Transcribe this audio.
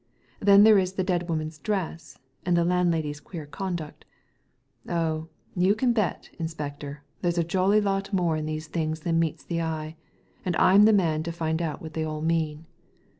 Then there is the dead woman's dress, and the landlady's queer conduct Oh, you can bet, inspector, there's a jolly lot more in these things than meets the eye, and I'm the man to find out what they all mean."